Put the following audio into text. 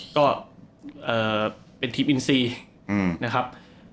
ก็เป็นทีมอินซีนะครับ